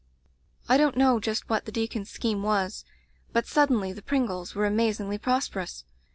"I don't know just what the deacon's scheme was, but suddenly the Pringles were amazingly prosperous.